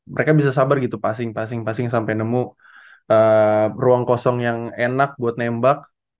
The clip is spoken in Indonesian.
mereka bisa sabar gitu passing passing passing sampai nemu ruang kosong yang enak buat nembak